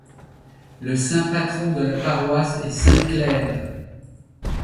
Le saint patron de la paroisse est saint Clair.